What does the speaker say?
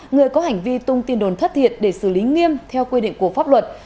người có hành vi tung tin đồn thất thiệt để xử lý nghiêm theo quy định của pháp luật